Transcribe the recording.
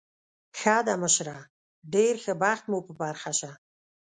ښه ده، مشره، ډېر ښه بخت مو په برخه شه.